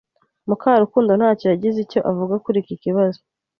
Mukarukundo ntacyo yagize icyo avuga kuri iki kibazo.